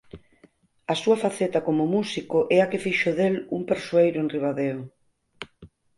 A súa faceta como músico é a que fixo del un persoeiro en Ribadeo.